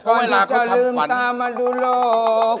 ก็ไม่ลาเขาทำฝันวันนี้จะลืมตามาดูโลก